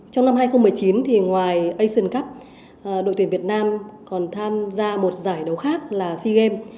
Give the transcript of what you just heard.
trong năm hai nghìn một mươi chín thì ngoài asian cup đội tuyển việt nam còn tham gia một giải đấu khác là sea games